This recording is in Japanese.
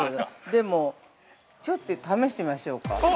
でも、ちょっと試してみましょうか。